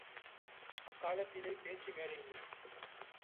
அக் களத்திலே பேச்சு மேடையில்லை.